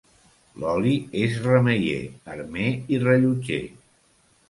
L'oli és remeier, armer i rellotger.